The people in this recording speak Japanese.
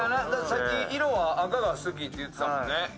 さっき色は、赤が好きって言ってたもんね。